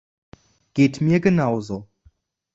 Geht mir genauso.